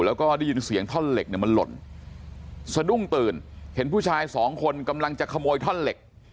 แล้วก็ได้ยินเสียงท่อนเหล็กเนี่ยมันหล่นสะดุ้งตื่นเห็นผู้ชายสองคนกำลังจะขโมยท่อนเหล็ก